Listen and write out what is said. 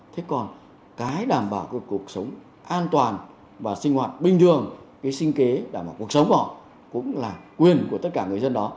thế còn cái đảm bảo cuộc sống an toàn và sinh hoạt bình thường cái sinh kế đảm bảo cuộc sống của họ cũng là quyền của tất cả người dân đó